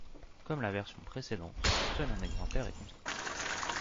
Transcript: Comme pour la version précédente, seul un exemplaire est construit.